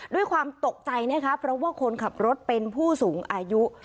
ด้วยความตกใจนะคะเพราะว่าคนขับรถเป็นผู้สูงอายุ